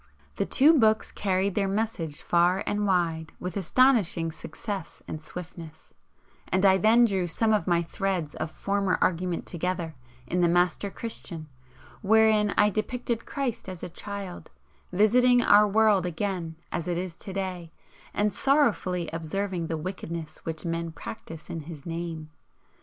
The two books carried their message far and wide with astonishing success and swiftness, and I then drew some of my threads of former argument together in "The Master Christian," wherein I depicted Christ as a Child, visiting our world again as it is to day and sorrowfully observing the wickedness which men practise in His Name.